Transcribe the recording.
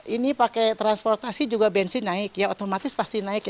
ini pakai transportasi juga bensin naik ya otomatis pasti naik ya